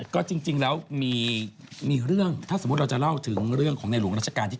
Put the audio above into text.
ก็จริงแล้วมีเรื่องถ้าสมมุติเราจะเล่าถึงเรื่องของในหลวงราชการที่๙